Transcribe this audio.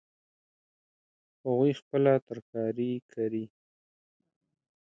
هغوی خپله ترکاري کري